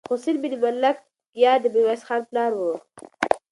حسين بن ملکيار د ميرويس خان پلار و.